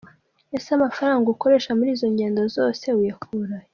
Ese amafaranga ukoresha muri izo ngendo zose uya kurahe?